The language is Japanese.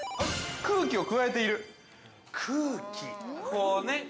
空気を加えている。